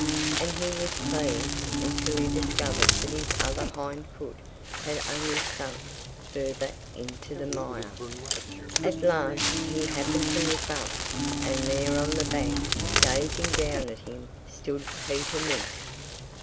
And he was pleased until he discovered that his other hind foot had only sunk further into the mire. At last he happened to look up. And there on the bank, gazing down at him, stood Peter Mink.